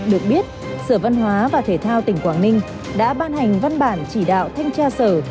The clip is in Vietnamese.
được biết sở văn hóa và thể thao tỉnh quảng ninh đã ban hành văn bản chỉ đạo thanh tra sở